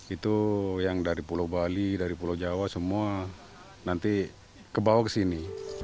itu yang dari pulau bali dari pulau jawa semua nanti kebawa ke sini